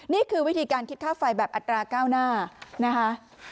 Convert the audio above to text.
นี่คือวิธีการคิดค่าไฟแบบอัตราก้าวหน้านะคะ